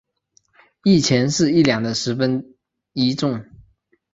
一钱是一两的十分一重。